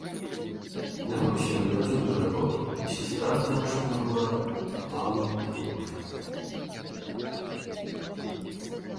Наймаўся ён на падзённую работу, і сястра з дамашняга гора папала ў другое.